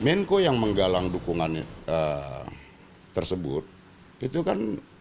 menko yang menggalang dukungan tersebut itu kan